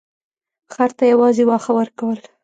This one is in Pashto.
خر ته یې یوازې واښه ورکول.